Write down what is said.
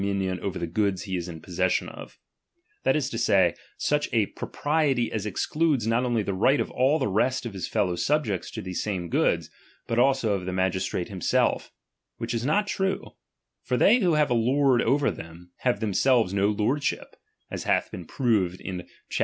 solula doniiiiio nton over the goods he ts in possession of : that over uicir u»u is to say, siich a propriety as excludes not only ^^'"^' f^ the right of all the rest of his fellow subjects to the same goods, hut also of the magistrate him self. WTiich is not true ; for they who have a lord over them, have themselves no lordship, as hath been proved chap.